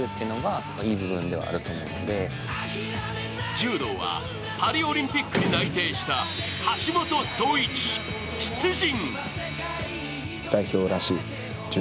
柔道はパリオリンピックに内定した橋本壮市、出陣。